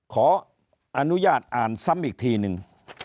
ขออนุญาตอ่านซ้ำอีกทีหนึ่ง